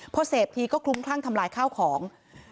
พอเสพทีก็คลุ้มคลั่งทำลายข้าวของ